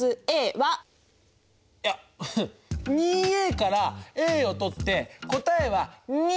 いや２からを取って答えは２！